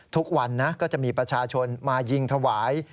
ทุกวันนะก็จะมีประชาชนมายิงถวาย